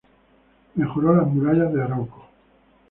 Mejoró las murallas de Arauco.